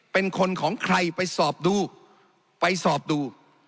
เป็นคนของใครไปสอบดูไปสอบดู